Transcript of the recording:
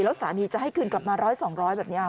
แล้วสามีจะให้คืนกลับมาร้อยสองร้อยแบบนี้